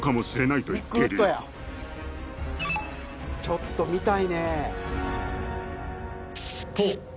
ちょっと見たいね。